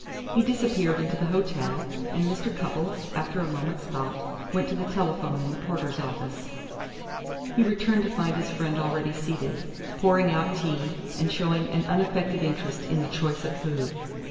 He disappeared into the hotel, and Mr. Cupples, after a moment's thought, went to the telephone in the porter's office. He returned to find his friend already seated, pouring out tea, and showing an unaffected interest in the choice of food.